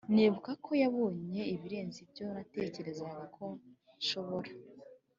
ndibuka ko yabonye ibirenze ibyo natekerezaga ko nshobora,